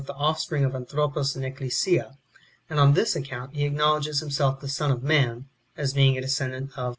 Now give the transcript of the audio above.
51 the offspring of Antliropos and Ecclesia ; and on this account he acknowledges himself the Son of man, as being a de scendant of Anthropos.